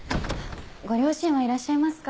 ご両親はいらっしゃいますか？